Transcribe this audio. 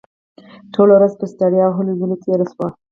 ټوله ورځ پر ستړیا او هلو ځلو تېره شوه